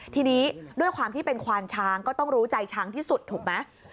ทีนี้ด้วยความที่เป็นควานช้างก็ต้องรู้ใจช้างที่สุดถูกไหม